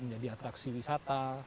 menjadi atraksi wisata